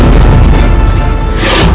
terima kasih raden